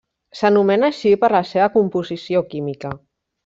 S'anomena així per la seva composició química.